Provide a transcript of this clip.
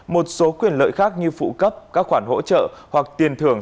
một số quyền lợi khác như phụ cấp các khoản hỗ trợ hoặc tiền thưởng